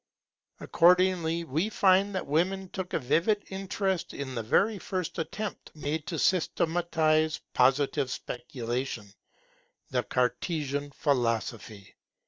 Accordingly we find that women took a vivid interest in the very first attempt made to systematize Positive speculation, the Cartesian philosophy.